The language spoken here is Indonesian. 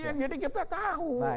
iya jadi kita tahu